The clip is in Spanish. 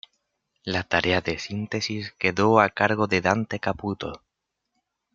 La tarea de síntesis quedó a cargo de Dante Caputo.